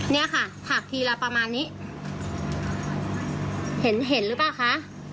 เนี่ยค่ะผักทีละประมาณนี้เห็นเห็นหรือเปล่าคะ